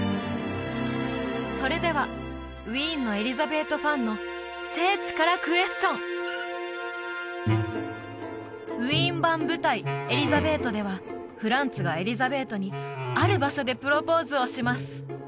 それではウィーンのエリザベートファンの聖地からクエスチョンウィーン版舞台「エリザベート」ではフランツがエリザベートにある場所でプロポーズをします